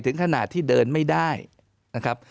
ถึงขนาดที่เดินไม่ได้นะครับ